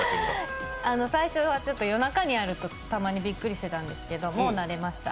最初は夜中にあると、たまにびっくりしていたんですけどももう慣れました。